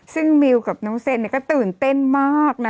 ซึ่งมิวกับน้องเซนก็ตื่นเต้นมากนะ